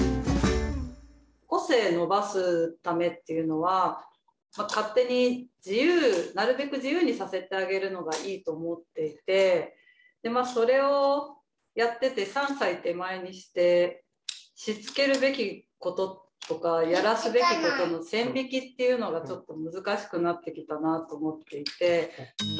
個性伸ばすためっていうのは勝手になるべく自由にさせてあげるのがいいと思っていてそれをやってて３歳手前にしてしつけるべきこととかやらすべきことの線引きっていうのが難しくなってきたなと思っていて。